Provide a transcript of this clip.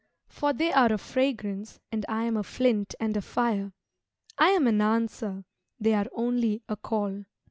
For they are a fragrance, and I am a flint and a fire, I am an answer, they are only a call.